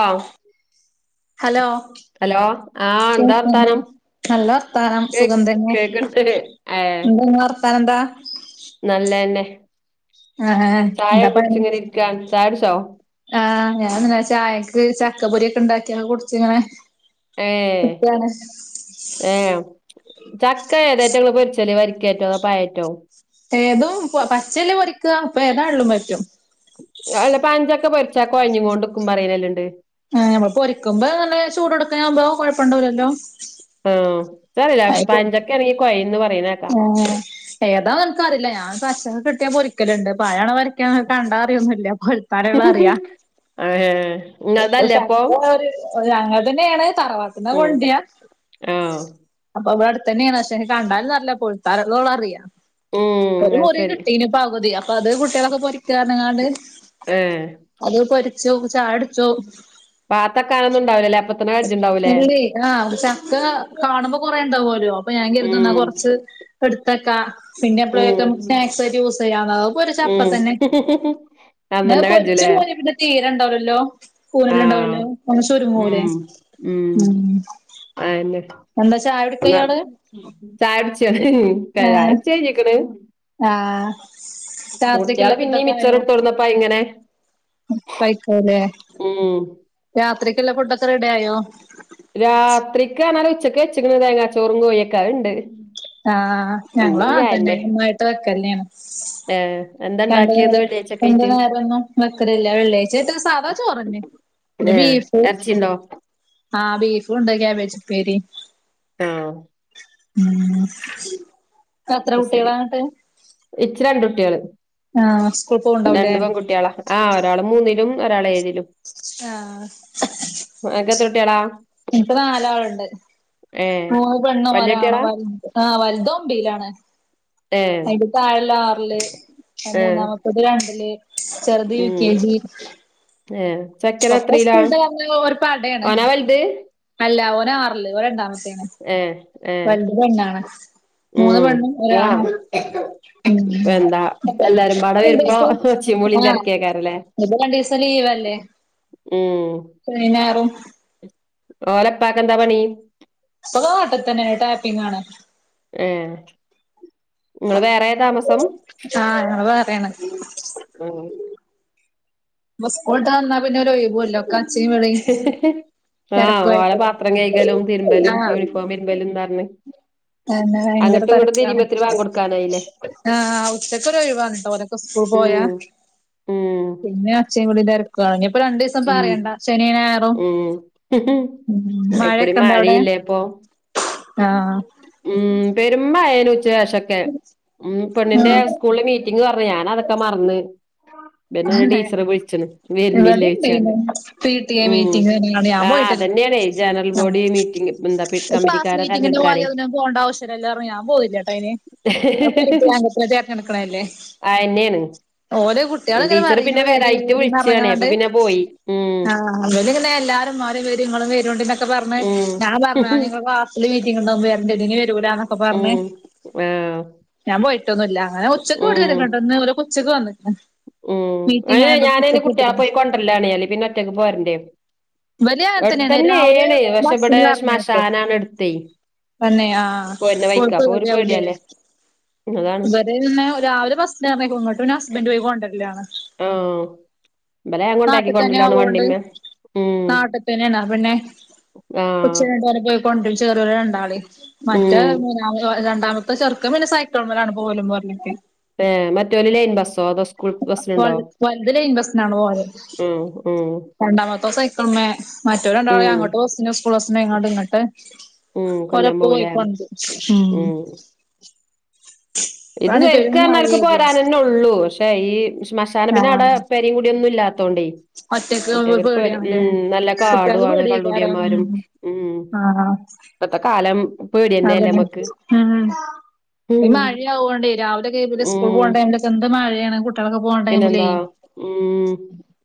ഔ hello? Hello ആഹ് ന്താ കേൾക്കുന്നില്ലേ? വർത്താനം? നല്ല വർത്താനം കേ സുഖംതന്നെ, കേക്ക്ണ്ട് ന്താങ്ങളെ വർത്താനന്താ? നല്ലയെന്നെ ആഹ് എന്താ പണി ചായൊകുടിച്ചിങ്ങനെരിക്കാണ്, ചായുടിച്ചോ? ആഹ് ഞാൻ ചായക്ക് ചക്ക പൊരിക്കെണ്ടാക്കി കുടിച്ചിങ്ങനെ ഏഹ് നിക്കാണ് ഏഹ് ചക്കേയേതാറ്റങ്ങള് പൊരിച്ചല് വരിക്കേറ്റോ അതോ പയേറ്റോ? ഏതും പച്ചേല് പൊരിക്ക അപ്പൊ ഏതാളും പറ്റും അല്ല പയഞ്ചക്ക പൊര്ച്ച കോയ്ഞ്ഞ് ങ്ങോണ്ട്ക്കും പറയല്ണ്ട് ആഹ് മ്മള് പൊരിക്കുമ്പോ നല്ല ചൂടോട്ക്കേനാകുമ്പോ കൊഴപ്പം ണ്ടവുലല്ലോ ഏഹ് ച്ചറില പയഞ്ചക്കേണേങ്കി കൊയിംപറി ഏഹ് ഏതാന്ക്ക് അറില്ല ഞാചക്കക്കോ കിട്ടിയാ പൊരിക്കല്ണ്ട് പഴാണോ വരിക്ക്യാണോ കണ്ടാ അറിയൊന്നുല്ല പോ തരളറിയാ ഏഹ് ഇങ്ങൾതല്ലേ അപ്പൊ [unintelligible] ഒരാങ്ങൻതന്നെണ് തറവാട്ട്ന്ന് ഉം കൊണ്ട്ര ആഹ് അപ്പൊവ്ടടുത്തേന്നെണ് പക്ഷെ കണ്ടാല് നല്ല പൊഴത്താലുള്ളു അറിയ ഉം ഒരു അത് മുറി ശരി കിട്ടീന് പകുതി അപ്പൊ അത് കുട്ടൃാളൊക്കെ പൊരിക്കാറിഞ്ങ്ങാണ്ട് ഏഹ് അത് പൊരിച്ചു ചായടുച്ചു പാത്തക്കാനൊന്നും ഉണ്ടാവൂലല്ലേ അപ്പത്തന്നെ കജ്ജ്ണ്ടാവൂലേ ഇല്ലേ ആഹ് ചക്ക കാണുമ്പോ കൊറേണ്ടാവോലോ പ്പൊ ഞാൻ കരുതു ന്നാ ഉം കോറച്ച് എടുത്തക്ക പിന്നെ എപ്പളെക്കെ ഉം സ്നാക്സ് ആയിട്ട് യൂസയ്യാം അഹ് പോരിച്ചാപ്പോ ഉം തന്നെ പിന്നെ അത് അന്നന്നെ പൊരിച്ച് കജുല്ലേ കോരി പിന്നെ തീരണ്ടാവ് ലല്ലോ കൂനല്ണ്ടാവ് ആഹ് ലല്ലോ ഒന്ന് ചുരുങ്ങൂലേ ഉം ഉം എന്താ ച്ചായുടിക്കാ ഇയാള് ചായ കുടിച്ചോ ചായ ഏഹ് കുടിച്ച് കയിഞ്ഞ്ക്ക്ണ് ആഹ് രാത്രിക്കുള്ള കുട്ട്യാള് പിന്നിം ഫുഡൊക്കെ മിച്ചറ്ട്ട് കൊടുന്നപ്പം അത് ഇങ്ങനെ ഉപ്പായിക്കൂലേ ഉം രാത്രിക്ക്ള്ള ഫുഡൊക്കെ റെഡി ആയോ രാത്രിക്ക് പറഞ്ഞാല് ഉച്ചക്ക് വെച്ച്ക്ക്ണ് തേങ്ങാ ചോറും കോയിയെക്കെ അത്ണ്ട്. ആഹ് ഇന്ന് ഞങ്ങളും ഇഞ്ഞ് അങ്ങൻതന്നെ അയന്നെ ഒന്നായിട്ട് വെക്കലെന്നെയാണ് ഏഹ് എന്താ രണ്ടു ഇണ്ടാക്കിയേന്ന് നേരം രണ്ട് വെള്ളിയാഴ്ചക്കായിട്ട് നേരൊന്നും വെക്കലില്ലാ വെള്ളിയാഴ്ച്ചയായിട്ട് സാധാ ചോറെന്നെ പിന്നെ ഏഹ് ബീഫ് എർച്ചിണ്ടോ ആഹ് ബീഫുണ്ട് ക്യാബേജുപ്പേരീം ആഹ് ഉം എത്ര [unintelligible] ശരി കുട്ടികളാ എന്നിട്ട്? ഇച്ച് രണ്ടുട്ട്യേള് ആഹ് സ്കൂൾ പോവ്ണ്ടാവൂലേ രണ്ട് പെങ്കുട്ട്യേളാ ആഹ് ഒരാള് മൂന്നിലും ഒരാള് ഏഴിലും ആഹ് അനക്കെത്ര കുട്ട്യേളാ? ഇന്ക്ക് നാലാള്ണ്ട് മൂന്ന് പെണ്ണും വല്യ കുട്ടികളാ ഒരാണും വൽത് ആഹ് വൽത് ഒമ്പെയിലാണ് ഏ അയിന്റെ താഴെള്ളെ ആറില് ഏ മൂന്നാമത്തത് രണ്ടില് ചെറ്ത് യു കെ ജി ഏഹ് ഒക്കെ ചെക്കനെത്രീലാ സ്കൂളിട്ട് ഓനാ വൽത്? അല്ലാ ഓനാറില് ഓൻ രണ്ടാമത്തെയാണ് ഏ ഏ വൽത് പെണ്ണാണ് മൂന്ന് ഉം പെണ്ണും ആ ഒരാണു [unintelligible] ഉം എന്താ അപ്പോ എല്ലാരും പാടെ രണ്ട് വരുമ്പോ വയസ്സ് ഒച്ചയും വിളിയും ആഹ് തിരക്കേക്കാരല്ലേ ഇനിയിപ്പം രണ്ടീസം ലീവല്ലേ? ഉം ശനിയും ഞായറും ഓലേ ഉപ്പാക്ക് എന്താ പണി? ഇപ്പൊ നാട്ട്തന്നെ ടാപ്പിംഗാണ് ഏഹ് ഇങ്ങള് വേറെയാ താമസം ആഹ് ഞങ്ങള് വേറെയാണ് [unintelligible] ഇപ്പൊ സ്കൂള്ട്ട് വന്നാ പിന്നെ ഒരു ഒയിവൂല്ലാ [unintelligible] ആഹ് ഓലെ പാത്രം കയ്കലും തിരുമ്പലും ആഹ് യൂണിഫോമിരുമ്പലുന്ന് പറഞ്ഞ് അതന്നെ ഭയങ്കര അങ്ങട്ടും ഇങ്ങട്ടും തെരക്കാണ്. തിരിയുമ്പത്തിന് ബാങ്ക് കൊടുക്കാനായില്ലേ ആഹ് ഉച്ചക്കൊരു ഒയിവാണ് ട്ടോ ഓലൊക്കെ സ്കൂൾ പോയാ. ഉം ഉം പിന്നെ ഒച്ചയും കൂടി തെര ക്കുവാ ഇനി ഇപ്പോ രണ്ടീസം ഉം പറയെണ്ടാ ശനിം ഞായറും. ഉം ഉം അയിക്കൂടി മഴയെക്കെ ഇണ്ടാ അവിടെ? മഴയില്ലേ ഇപ്പൊ ആഹ്. ഉം പെരും മഴയേനു ഉച്ചക്കേഷൊക്കെ ഉം പെണ്ണിന്റെ സ് സ്കൂളില് മീറ്റിംഗ് പറഞ്ഞു ഞാൻ അതൊക്കെ മറന്ന്. പിന്നെ ഇണ്ട് അതെ ടീച്ചറ് വിളിച്ച്ണ് ഇവിടെ വെരുന്നില്ലേ ഇണ്ടേനു ചോയിച്ചാണ്ട്. പി ടി എ ഉം മീറ്റിംഗിനാണ് ഞാൻ ആഹ് പോയിട്ടില്ല അതന്നെയണേ ജനറൽ ആഹ് ബോഡി മീറ്റിംഗ് എന്താ [unintelligible] ക്ലാസ് മീറ്റിങ്ങിന് പോലെ തെരഞ്ഞെടുക്കാനേ അതിന് പോണ്ട ആവശ്യല്ലല്ലോ പറഞ്ഞ് ഞാൻ പോന്നില്ലാട്ടോ അയിന് അത് പി ടി എ [unintelligible] ചേർ നടക്കണയല്ലേ അയെന്നെയാണ്. ഓര് കുട്ട്യാള്ങ്ങനെ പർയും ഇങ്ങള് വെരി വെരിന്ന് വിളിച്ചാണേ അപ്പൊ പറഞ്ങ്ങാണ്ട് പിന്നെ പോയി ഉം ആഹ് ആഹ് ഇവല്ങ്ങനെ എല്ലാരുംമാറി വെരി ഇങ്ങളും വെരോണ്ടിന്നൊക്കെ പർഞ് ഉം ഞാൻ പർഞ് ഞ്ഞി ങ്ങള് ക്ലാസ് ല് മീറ്റിംഗ്ണ്ടാവുമ്പോ വെരണ്ട് ഇതിന് വെരൂലാന്നൊക്കെ പർഞ് ഉം ആഹ് ഞാൻ പോയിട്ടൊന്നുല്ല അങ്ങനെ ഉച്ചക്ക് ഉം [unintelligible] ഓലൊക്കെ ഉച്ചക്ക് വന്ന്ക്ക്ണ് ഉം മീറ്റിംഗ് അയ്ന് ആയോണ്ട് ഞാനയ്ന് ഉച്ചക്ക് കുട്ട്യാളെ വിട്ട്ക്ക്ണ് പോയി കൊണ്ടര്ലാണെ അല്ലെ പിന്നെ ഒറ്റയ്ക്ക് പോരണ്ടിയെരും ഇവല് അങ്ങനെ തന്നെയാണ് രാവിലെ എട്ത്തെന്നെണ് പക്ഷെ ഇവടെ ബസ്സിന് പറഞ്ഞയക്കും ശ്മശാനാണെട്ത്തെ തന്നെ ആഹ് പ്പൊ ഓൽക്ക് പേടിയാവും ലെ പേടിയല്ലേ അതാണ് അല്ലെ പിന്നെ രാവിലെ ബസ്സ്ന് പർഞ്ഞയക്കും ഇങ്ങട്ട് പിന്നെ ഹസ്ബന്റ് പോയി കൊണ്ടര്ലാണ് ആഹ് ഇവലെ ഞാൻ കൊണ്ടാക്കി കൊണ്ടര്ല്ലാണ് വണ്ടിമ്മെ ഉം നാട്ട്ത്തെന്നെണ് അപ്പൊ പിന്നെ ആഹ് ഉച്ചയ്ഞ്ട്ട് ഓലെ പോയി കൊണ്ട്രും ചെറിയോലെ രണ്ടാളീം മറ്റ ഉം മൂന്നാമതോ രണ്ടാമത്തെ ചെർക്കൻ പിന്നെ സയ്ക്കൾമ്മലാണ് പോവലും പോരലൊക്കെ ഏഹ് മറ്റോല് ലൈൻ ബസ്സോ അതോ സ് വൾ വൽത് ലൈൻ ബസ്സിനാണ് പോവല് ഉം ഉം രണ്ടാമത്തോൻ സൈ ക്ക്ൾമേ മറ്റോര് രണ്ടാളെ ഉം അങ്ങോട്ട് ബസ്സ്ന് സ്കൂൾ ബസ്സിന് പോയിങ്ങാണ്ട് ഇങ്ങട്ട് ഉം കൊണ്ടരാൻ ഓലെപ്പോയി പോവൂലേ കൊണ്ട്രും ഉം ഇത് പെരും ശെരിക്ക് പറഞക്കോൽക്ക് മഴയല്ലേ പോരാനെന്നെ ഉള്ളൂ പക്ഷേ ഈ ശ്മശാനം പിന്നവടെ പെരം കുടിം ഒന്നുല്ലാത്തോണ്ടേ ഒറ്റക്കാകുമ്പോ പേടിയാണ് ലെ കാടു കുട്ട്യാക്ക് ആണ് പേടിയേക്കാരം കള്ളുടിയന്മാരും ഉം ഉം ആഹ് ഇപ്പത്തെ കാലം പേടിയന്നെല്ലേ അതെന്നെ നമ്മക്ക് ഉം ഉം ഇ ഉം മഴയാവോണ്ടേ രാവിലെ കെ പിന്നെ ഉം സ്കൂളിൽ പോണ ടൈമിലൊക്കെ എന്ത് മഴേണ് കുട്ട് പിന്നെന്താ ഉം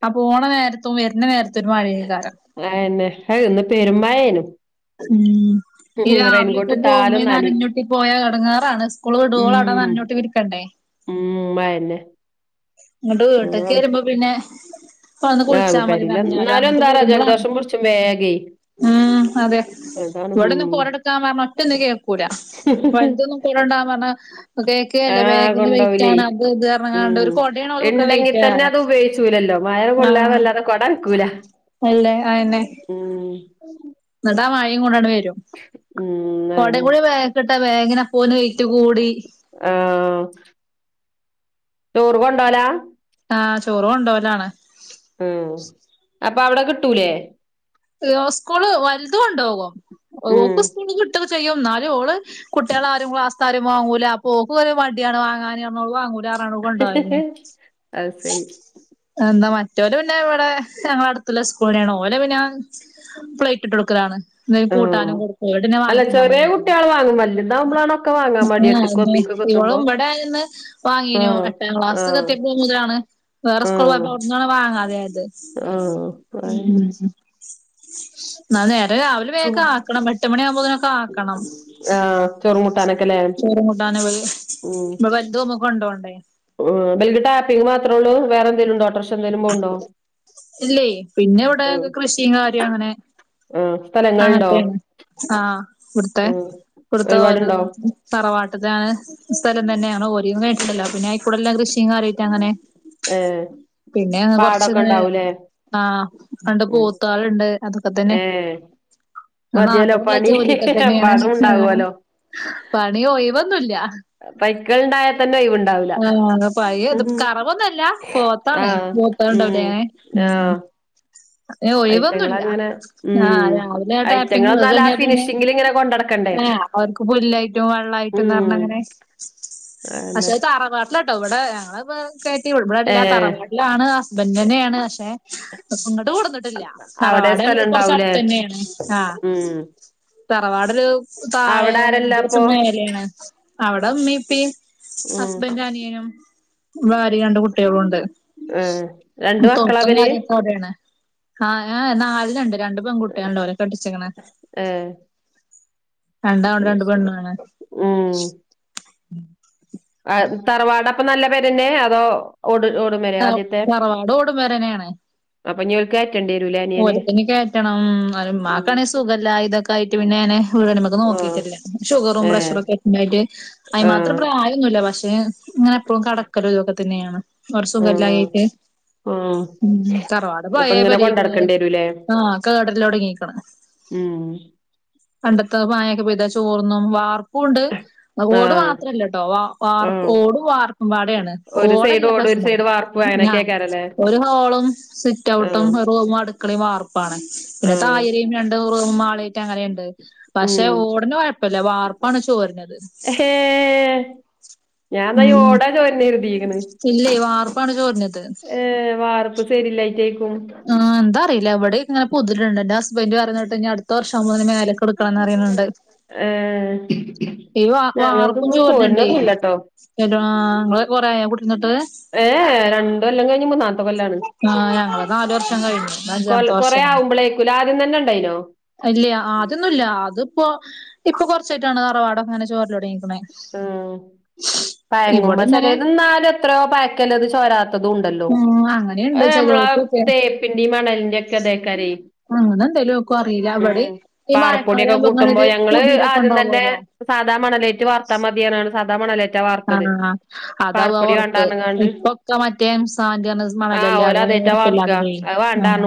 അ പോണ നേരത്തും വെര്ണ നേരത്തും ഒരു മഴേക്കാരം അതെന്നെ ഇന്ന് പെരുമഴേനു ഉം ഈ ഉം റെയിൻകോട്ട് രാവിലെയൊക്കെ പോകുമ്പോ ഇട്ടാലും ഇ നനയും നനഞൊട്ടി പോയാ എടങ്ങേറാണ് സ്കൂള് വിടുവോളം അവടെ ഉം നനഞൊട്ടി ഇരിക്കണ്ടേ ഉം അതെന്നെ ങ്ങട്ട് വീട്ട്ക്ക് വെരുമ്പൊ പിന്നെ പ്പ വന്ന് ആഹ് കുളിച്ചാ മതി പെരേല് നനഞ്ഞാലും എന്നാലും അങ്ങട്ട് എന്താറ പോകുമ്പളാണ് ജലദോഷം പിടിച്ചും വേഗേ ഉം അതെ അതാണ് ഉം ഇവടൊന്നും കൊടട്ക്കാൻ പർഞാ ഒറ്റൊന്നും കേക്കൂല വൽതൊന്നും കോടൊണ്ടാവാൻ പർഞ്ഞ കേക്കേല്ല ആഹ് ബേഗിന് വെയ്റ്റാണ് അത് ഇത് ർഞ്ങ്ങാണ്ട് ഒര് ണ്ടെങ്കിത്തെന്നെ അതുപയോഗിച്ചൂലല്ലോ മഴ ആഹ് കൊള്ളാന്നല്ലാതെ കൊടനക്കൂല അല്ലേ അതെന്നെ ന്ന്ട്ടാ മഴേ കൊണ്ടണ്ട് വെരും ഉം അതെന്നെ [unintelligible] ട്ട ബേഗിനപ്പോന് വെയ്റ്റ് കൂടി ആഹ് ചോറ് കൊണ്ടോല ആഹ് ചോറ് കൊണ്ടോവലാണ് ഉം അപ്പൊ അവടെ കിട്ടൂലേ ക്ക് സ്കൂള് വൽത് കൊണ്ടോകും ഉം ഓക്ക് സ്കൂള്ന്ന് കിട്ടൊക്കെ ചെയ്യും ന്നാലും ഓള് കുട്ട്യാളാരും ക്ലാസ്സ്ത്താരും വാങ്ങൂല അപ്പോക്കൊര് മടിയാണ് വാങ്ങാന് ർഞ് ഓള് വാങ്ങൂലാർ [unintelligible] കൊണ്ടോവൽ ന് അത് ശരി എ ന്നാ മറ്റോല് പിന്നെ ഇവടെ ഞങ്ങളെ അട്ത്ത്ള്ളെ സ്കൂളെ ന്നേണ് ഓലെ പിന്നെ പ്ലെറ്റ്ട്ടൊട്ക്കലാണ് എന്തേലും ആഹ് കൂട്ടാനും കൊടുക്കും ഓലോടെന്നെ അല്ല വാങ്ങി തിന്നാൻ ചെറിയ പറയലാണ് കുട്ടികള് വാങ്ങും വലുതാവുമ്പോളാണ് ഒക്കെ വാങ്ങാൻ മടിയെട്ട് കൊമ്പിക്കൊക്കെ എത്തുമ്പോ ഇവളും ഇവിടെന്ന് വാങ്ങീനു ആഹ് എട്ടാം ആഹ് ക്ലാസ്ക്കെത്തിയപ്പോ മുതലാണ് വേറെ സ്കൂൾ ആഹ് പോയപ്പോ ഒടന്ന വാങ്ങ അതെ അത് ആഹ് അതന്നെ ഉം എന്നാ നേരെ രാവിലെ വേക്കെ ആക്കണം എട്ട് മണിയ ആകുമ്പോതിനനൊക്കെ ആക്കണം ആഹ് ചൊറകൂട്ടാന ചോറ കൂട്ടാന [unintelligible] ബന്ധുപൊകുമ്പം കൊണ്ടോണ്ടേ ഉം ബല ടാപ്പിംഗ് മാത്രേ ഉള്ളൂ വേറെന്തേലുംണ്ടോ ഓട്ടോറിക്ഷ എന്തേലും പോണുണ്ടോ ഇല്ലേ പിന്നെ ഇവിടെ കൃഷിയും കാര്യം അങ്ങനെ ആഹ് സ്ഥലങ്ങളുണ്ടോ ആഹത്തേന്നെ ആഹ കൊടുത്ത ഉം കൊടുത്ത ഒരുപാടുണ്ടോ [unintelligible] തറവാട്ടത്താണ് സ്ഥലം തന്നെയാണോ ഓരി കേട്ടിണ്ടല്ലോ പിന്നെ ആയിക്കൂടെ എല്ലാം കൃഷിയും കര്യായിട്ട് അങ്ങനെ ഏഹ് പിന്നെ പാടൊക്കെ കൊറച്ചന്ന് ഉണ്ടാവൂലേ ആഹ രണ്ട് ഉം പൂത്താളുണ്ട് അതൊക്കെ തന്നെ ഏഹ് മതിയല്ലോ നാട്ടുകള്ള പണി ജോലിയൊക്കെ തന്നെയാണ് പടം ഏഹ് ഉണ്ടാവുവല്ലോ പണി ഒയിവൊന്നുല്ല പൈക്കൾ ഉണ്ടായാ തന്നെ ഒഴിവുണ്ടാവൂല ആഹ പയ ഇത് ഉം കറവന്നുല്ല പോത്താണ് പോത്ത് അണ്ടാവില്ലേ ആഹ ഒഴിവൊന്നുല്ല ഐറ്റങ്ങളങ്ങനെ ആഹ് ഉം രാവിലെ ടാപ്പിങ് അത് ഐറ്റങ്ങളന്നാല ആഹ കഴിഞ്ഞാ പിന്നെ ഫിനിഷിലിങ്ങനെ കൊണ്ട നടക്കണ്ടേ ആഹ് അവർക്ക് പുല്ലായിട്ടും വെള്ളമായിട്ടുംന്ന് പറഞ്ഞങ്ങനെ പക്ഷെ അതന്നെ തറവാ കേട്ടോ ഇവിടെ ഞങ്ങ കയറ്റി ഇവിടല്ല ഏഹ് തറവാടിലാണ് ഹസ്ബൻഡ് തന്നെയാണ് ഹസ് അങ്ങട്ട് കൂടെന്ന്ണ്ട് അവിടെ തറവാട് സ്ഥലം ഉണ്ടാവൂലേ കൊറച്ചടുത്ത് തന്നെയാണ് ആഹ ഉം തറവാടരു താഴെ അവിടെ കുറച്ചു ആരെല്ലാപ്പൊ മേലാണ് അവിടെമ്മീ പ്പീ ഉം ഹസ്ബൻഡ് അനിയനും ഭാര്യ രണ്ട് കുട്ടികളും ഉണ്ട് ആഹ രണ്ട് തൊട്ടും മക്കളാബല് കാര്യൊക്കെ അവിടെയാണ് ആഹ ആഹ നാളിനുണ്ട് രണ്ട പെൺകുട്ടികണ്ടോര കെട്ടിച്ചിക്കണ ഏഹ് [unintelligible] ഉം ആഹ തറവാടപ്പ നല്ല പേരന്നെ അതോ ഒട് ഒടുമേ ആഹ തറവാട് ഓടുപെരന്നെയാണ് അപ്പൊ ഞൽക്കാ [unintelligible] ണ്ടി വെറുല്ലേ ഓലക്കന് കയറ്റണം ഉമ്മാക്കണാ സുഖല്ല ഇതൊക്കെ ആയിട്ട് പിന്നെ അനെ [unintelligible] നമുക്ക് ആഹ് നോക്കിയിട്ടില്ല ഷുഗറും ഏഹ് പ്രഷറും ഒക്കെ എക്കായിട്ട് അതിന് മാത്രം ആഹ് പ്രായമൊന്നുമല്ല പക്ഷെ ഇങ്ങനെ എപ്പോഴും കടക്കലും ഇതൊക്കെ തന്നെയാണ് കുറച്ചു സുഗായില്ല ആഹ് കയിട്ട് ആഹ് ഉം തറവാട അപ്പൊ പോയ ഇങ്ങനെ പെര കൊണ്ടടക്കേണ്ടി വരൂലേ ആഹ കേടല്ലാം ഉടങ്ങിക്കണ ഉം പണ്ടത്തെ മായൊക്കെ പെയ്താ ചോർന്നും വാർപ്പൊണ്ട് ഓട് ആഹ് മാത്രല്ല കേട്ടോ വ വാർ ആഹ് ഓട വാർക്കുടയാണ് ഒരു സൈഡ് ഓടല്ല ഓടും ഒരു പ്രശന സൈഡ് വാർപ്പും ആഹ അങ്ങനൊക്കെക്കാരല്ലേ ഒരു ഹോളും സിറ്റ് ഔട്ടും ആഹ് റും അടുക്കളയും വാർപ്പാണ് പിന്നെ ആഹ് തായരെയയും രണ്ട കുറവും മാള അങ്ങനെയുണ്ട് ഉം പക്ഷെ ഓടന കുഴപ്പില്ല വാർപ്പാണ് ചോരണത് ഹേ ഞാൻ എന്ന ഉം ഓടാ ചോരുന്ന കരുതിക്ക്‌ന്ന് ഇല്ലേ, വാർപ്പാണ് ചോരുന്നത്. ഏഹ് വാർപ്പ് ശരില്ലായിറ്റേക്കും? ആഹ, എന്താ അറിയില്ല, ഇവിടെ ഇങ്ങെനെ പൊതിരിന്ണ്ട്. ഇന്റെ ഹസ്ബന്റ് പറഞ്ഞിട്ട് അടുത്ത വർഷാവുമ്പോത്ത്ന് മേലക് എടുക്കണംന്ന് പറിയിണ്ണ്ട്. ഏഹ് ഈ വാർ വാർപ്പും ഞങ്ങൾതിമ്മെ ചോര്ന്ണ്ടേ? ചോര്ണൊന്നുല്ലട്ടോ സ്ഥലോ ആഹ്, ഇങ്ങള് കൊറേ ആയൊ കുടിര്ന്ന്ട്ട്? ഏഹേ, രണ്ട് കൊല്ലം കഴിഞ്ഞ് മൂന്നാമത്തെ കൊല്ലാണ്. ആ ഞങ്ങള് നാല് വർഷം കഴിഞ്ഞു ഇത് കൊൽ അഞ്ചാമത്തെ കൊറേ ആവുമ്പളെയ്ക്കുലേ, ആദ്യം തന്നെ ഇണ്ടായിനോ? ഇല്ല്യ, ആദ്യൊന്നുല്ല അത്പ്പോ, ഇപ്പൊ കൊർച്ചായ്ട്ടാണ് തറവാടൊക്കെങ്ങനെ ചോര്ലൊട്ങ്ങീക്ക്ണേ. ഉം. പയങ്കുമ്പ ഇവിടെ ഇങ്ങനെ ചെലേത് ഇന്നാലും എത്ര്യോ പയക്കല്ലത് ചോരാത്തതും ണ്ടല്ലോ. ഉം അങ്ങനെയുണ്ട് അത് നമ്മളാ ചെലോടത്തൊക്കെ തേപ്പിൻ്റിം മണലിന്റ്യൊക്കെ ഇതേക്കാരേയ്. അങ്ങനെ എന്തേലും ആക്കും അറിയില്ല ഉം. ഇവിടെ ഈ പാറപ്പൊടിയൊക്കെ മഴക്കാലാവുമ്പോ കൂട്ടുമ്പോ, ഇങ്ങനൊരു ഞങ്ങള്... കുതിരൊക്കെ ആദ്യം തന്നേ ഉണ്ടാവുവല്ലോ സാധാ മണലേറ്റ് വാർത്താ മതീ പർഞ്ഞ്കാണ്ട്, സാധാ മണലെ ആഹ്. അതാവു ആ ഒർപ്പ്. വാണ്ടാർഞ്ഞ്ങ്ങാണ്ട് ഇപ്പൊക്കെ മറ്റേ സാൻ്റ് പർഞ്ഞ ആഹ് മണലല്ലേ അതാണ് [unintelligible] ഓലതേറ്റാ വാർക്ക ഒർപ്പില്ലാത്തതേയ്, അത് ആഹ്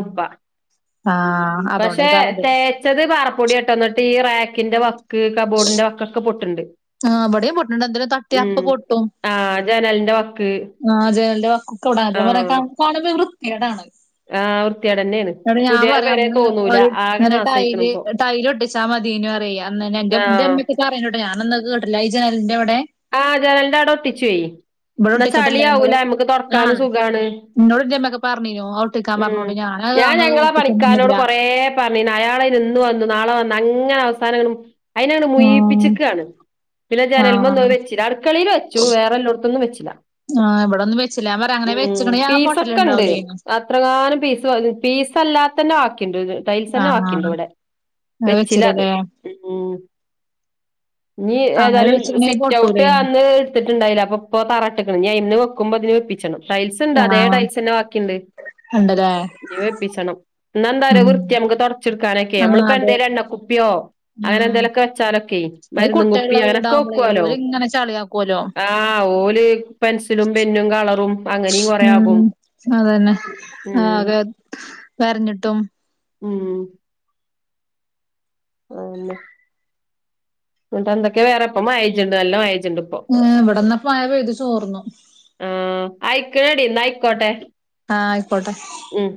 ആഹ്. പക്ഷേ അതോണ്ടേക്കാരം ഇത് തേച്ചത് പാറപ്പൊടിയാട്ടോ ന്ന്ട്ടീ റേക്കിന്റെ വക് ക്ക്, കബോർഡിന്റെ വക്കൊക്കെ പൊട്ട്ണ്ട്. ആഹ്, ഇവടേം പൊട്ട്ണ്ട്, എന്തെലും തട്ട്യാ ഉം അപ്പ പൊട്ടും. ആഹ് ജനലിന്റെ വക്ക് ആഹ്, ജനലിന്റെ വക്കൊക്കെ ഇവിട ഞാൻ പറയ ആഹ് ക കാണുമ്പൊര് വൃത്തികേടാണ്. അത്. ആഹ് വൃത്തിയേടന്നേണ് ന്ന്ട്ട് ഞാൻ പുതിയ പറയ പെരേ അന്ന് തോന്നൂല ഒരു ആകെ ഇങ്ങനെ നാസായിക്ക്ണ് ടൈല്, ഇപ്പൊ ടൈലൊട്ടിച് ച്ചാ മത്യേനൂ പറയേ അന്നെന്നെ, ന്റെ ആഹ് ഇന്റെമ്മെക്കെ പറയേനുട്ടൊ ഞാനന്നത് കേട്ടില്ല. ഈ ജനലിന്റെവ്ടെ ആഹ് ജനൽന്റൗടെ ഒട്ടിച്ചൊയ്. ഇവിടെ ഇന്നാ ഒട്ടിച്ചിട്ടില്ല ചളിം ആവൂല, നമ്മക്ക് തൊട്ക്കാനും സുഖാണ്. ഇന്നോട് ന്റെമ്മൊക്കെ പറഞ്ഞീനു, അത് ഒട്ടിക്കാൻ ഉം പർഞ്ഞോണ്ടി, ഞാനത് അന്ന് ഒട്ടിച്ചൊന്നൊന്നൂല്ല. പർഞ്ഞീന്നു, അയാളയ്ന് ഇന്നു വന്നു, നാളെ വന്നു അങ്ങനെ അവസാനങനെ അയ്നണ് ആ മുയീപ്പ്ച്ചക്കാണ്. പിന്നെ ആ ജനൽമൊന്നത് വെച് അട്ക്കളീല് വെച്ചു, വേറെല്ലോട്ത്തൊന്നും വെച്ചില. ആ ഇവിടെ ഒന്നും വെച്ചില്ല ഞാൻ പറയാ അങ്ങനെ ഊം. വെച്ചിക്കണെങ്കിൽ ആ പീസൊക്കെണ്ട്. പൊട്ടലുണ്ടാവൂലേനു എത്രങ്ങാനും പീസ് [unintelligible] പീസല്ലാത് ത്തന്നെ ബാക്കിണ്ട്, ആ ടൈൽസെന്നെ ബാക്കിണ്ട് ഇവടെ. അങ്ങനെ വെച്ചില അത് വെച്ചില്ലല്ലേ ഉം. ഇനി അങ്ങനെ ഏതാലും വെച്ചിട്ടുണ്ടെങ്കിൽ സിറ്റൗ റ്റൗട്ട് പൊട്ടൂലേനു അന്ന് ഇടുത്തിട്ടണ്ടായില, അപ്പൊ പ്പോ തറട്ട്ക്ക്ണ്. ഇഞ്ഞയ്ന്ന് വെക്കുമ്പൊ ഇത് വെപ്പിച്ചണം. ടൈൽസ്ണ്ട് ആ അതേ ടൈൽസെന്നെ ബാക്കിണ്ട്. ഉണ്ടല്ലേ ഇനി വെപ്പിച്ചണം. ഇന്നാന്താറിയൊ ഉം വൃത്ത്യാ, നമ്മക്ക് തൊടച്ച്ട്ക്കാനൊക്കേ, ആ അതെ നമ്മള്പ്പെന്തേലും എണ്ണക്കുപ്പ്യോ ഉം അങ്ങനെന്തേലൊക്കെ വെച്ചാലൊക്കെയ്, മര്ന്നും കുപ്പി അങ്ങനൊക്കെ വെക്കോലോ? ങ്ങനെ ചള്യാക് ആഹ്, ഓല് പെൻസിലും പെന്നും കളറും അങ്ങനെയും കൊറേ ഉം, ആകും അതന്നെ. ആഹ് ഉം അതേ വര്ഞ്ഞ്ട്ടും ഉം. അതെന്നെ. ന്ന്ട്ടെന്തെക്കെ വേറെ? ഇപ്പം മയെജ്ജ്ണ്ട്, നല്ല മയെജ്ജ്ണ്ട്. ഏഹ് ഇവടെന്നാ ഇപ്പ മഴ പെയ്തു ചോർന്നു. ആഹ്, അയ്ക്ക്‌ണെടി ഇന്നയ്ക്കോട്ടെ. ആഹ്, അയ്ക്കോട്ടെ. ഉം.